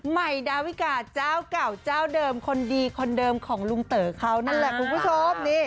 ใหม่ดาวิกาเจ้าเก่าเจ้าเดิมคนดีคนเดิมของลุงเต๋อเขานั่นแหละคุณผู้ชม